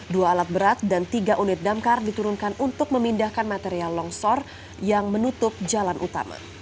dua alat berat dan tiga unit damkar diturunkan untuk memindahkan material longsor yang menutup jalan utama